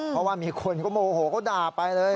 เพราะว่ามีคนก็โอ้โฮก็ด่าไปเลย